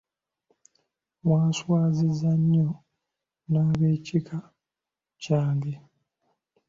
Wanswazizza nnyo n'ab'ekika kyange.